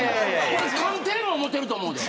関テレも思ってると思うで。